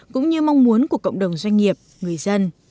cũng như mong muốn của cộng đồng doanh nghiệp người dân